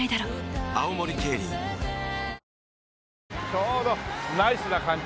ちょうどナイスな感じ。